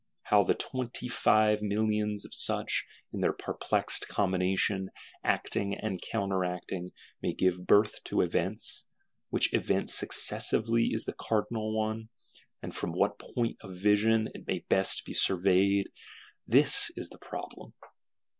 How the Twenty five Millions of such, in their perplexed combination, acting and counter acting may give birth to events; which event successively is the cardinal one; and from what point of vision it may best be surveyed: this is a problem.